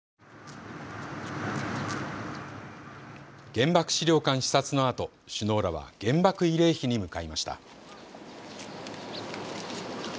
原爆資料館視察のあと、首脳らは原爆慰霊碑に向かいました。